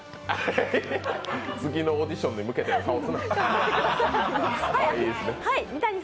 次のオーディションに向けての顔すな。